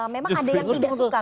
memang ada yang tidak suka